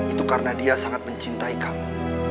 itu karena dia sangat mencintai kamu